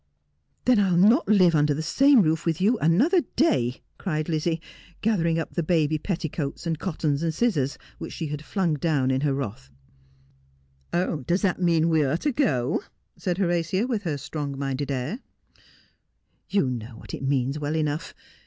' Then I will not live under the same roof with you another day,' cried Lizzie, gathering up the baby petticoats, and cottons, and scissors, which she had flung down in her wrath. ' Does that mean that we are to go 1 ' said Horatia, with her strong minded air. ' You know what it means well enough.